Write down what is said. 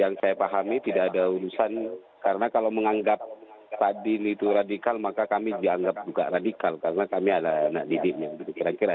yang saya pahami tidak ada urusan karena kalau menganggap pak din itu radikal maka kami dianggap juga radikal karena kami adalah anak didimnya